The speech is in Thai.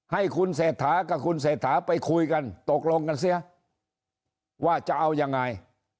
ให้คุณเศรษฐากับคุณเศรษฐาไปคุยกันตกลงกันเสียว่าจะเอายังไง